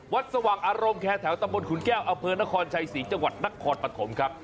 วัดสว่างอารมณ์แขนแถวตะบนขุนแก้วอเภอนครชัย๔จังหวัดนักคลอดปฐมครับ